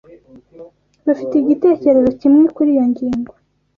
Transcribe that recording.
Bafite igitekerezo kimwe kuri iyo ngingo.